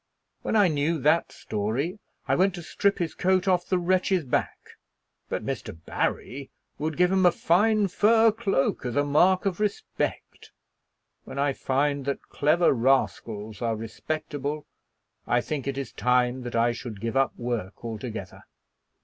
When I knew that story I went to strip his coat off the wretch's back; but Mr. Barry would give him a fine fur cloak as a mark of respect. When I find that clever rascals are respectable, I think it is time that I should give up work altogether."